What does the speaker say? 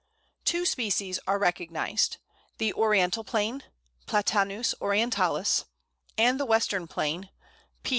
] Two species are recognized the Oriental Plane (Platanus orientalis) and the Western Plane (_P.